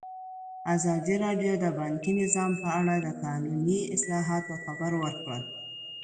ازادي راډیو د بانکي نظام په اړه د قانوني اصلاحاتو خبر ورکړی.